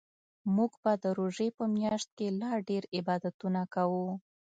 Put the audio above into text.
موږ به د روژې په میاشت کې لا ډیرعبادتونه کوو